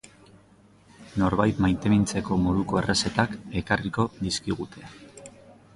Norbait maitemintzeko moduko errezetak ekarriko dizkigute.